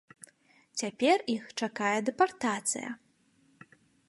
Цяпер іх чакае дэпартацыя.